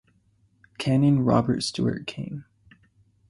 Canon Robert Stuart King.